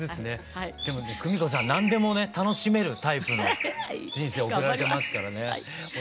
でもねクミコさん何でもね楽しめるタイプの人生送られてますからね。頑張ります。